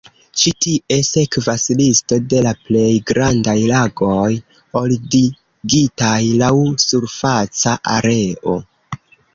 Ĉi tie sekvas listo de la plej grandaj lagoj, ordigitaj laŭ surfaca areo.